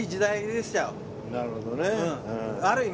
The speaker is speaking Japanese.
なるほどね。